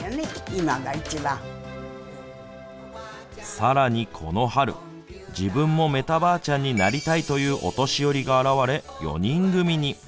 さらに、この春自分もメタばあちゃんになりたいというお年寄りが現れ４人組に。